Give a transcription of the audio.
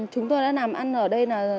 chúng tôi đã làm ăn ở đây là